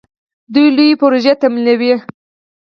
دوی لویې پروژې تمویلوي.